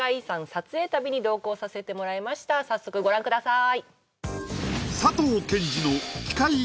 撮影旅同行させてもらいました早速ご覧ください